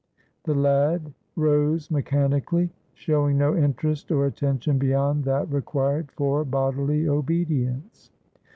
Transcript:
The lad rose mechanically, showing no interest or at tention beyond that required for bodily obedience.